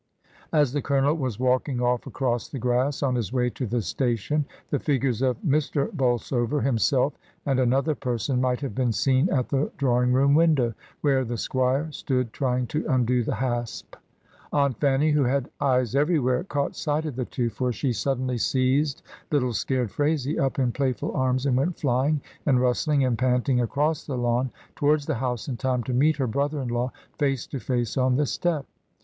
As the Colonel was walking off across the grass on his way to the station the figures of Mr. Bolsover himself and another person might have been seen at the drawing room window, where the squire stood trying to undo the hasp. Aunt Fanny, who had eyes everywhere, caught sight of the two, for she UNDER THE CEDAR TREES. 285 suddenly seized little scared Phraisie up in playful arms and went flying, and rustling, and panting across the lawn towards the house in time to meet her brother in law face to face on the step.